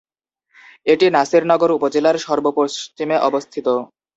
এটি নাসিরনগর উপজেলার সর্ব-পশ্চিমে অবস্থিত।